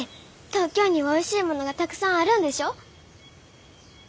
東京にはおいしいものがたくさんあるんでしょ？